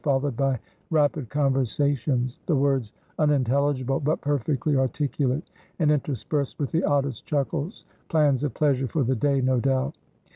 followed by rapid conversations, the words unintelligible but perfectly articulate, and interspersed with the oddest chuckles, plans of pleasure for the day, no doubt.